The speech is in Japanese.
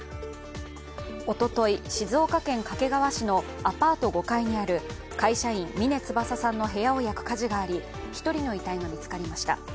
おととい、静岡県掛川市のアパート５階にある会社員、峰翼さんの部屋を焼く火事があり、１人の遺体が見つかりました。